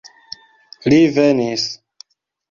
Li venis.